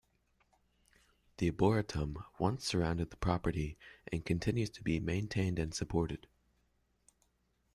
The arboretum once surrounded the property and continues to be maintained and supported.